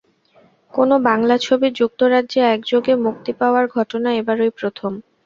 কোনো বাংলা ছবির যুক্তরাজ্যে একযোগে মুক্তি পাওয়ার ঘটনা এবারই প্রথম।